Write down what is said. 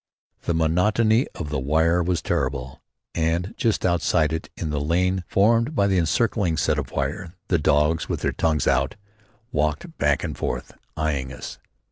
The monotony of the wire was terrible and just outside it in the lane formed by the encircling set of wire, the dogs, with their tongues out, walked back and forth, eyeing us.